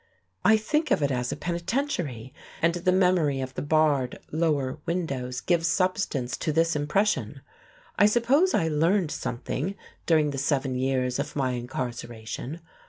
I think of it as a penitentiary, and the memory of the barred lower windows gives substance to this impression. I suppose I learned something during the seven years of my incarceration.